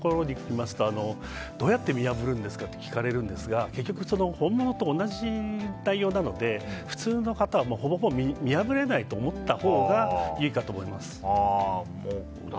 どうやって見破るんですかと聞かれるんですが結局本物と同じ内容なので普通の方はほぼほぼ見破れないと思ったほうがいいかと思います。